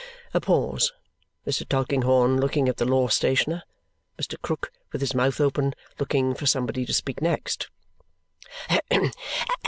A pause. Mr. Tulkinghorn looking at the law stationer. Mr. Krook, with his mouth open, looking for somebody to speak next.